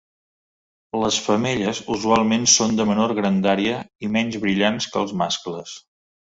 Les femelles usualment són de menor grandària i menys brillants que els mascles.